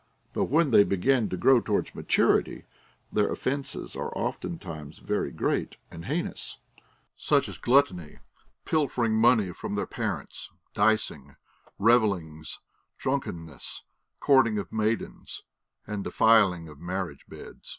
But when they begin to grow towards maturity, their offences are oftentimes very great and heinous ; such as gluttony, pilfering money from their parents, dicing, revel lings, drunkenness, courting of maidens, and defiling of marriage beds.